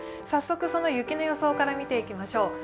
早速その雪の予想から見ていきましょう。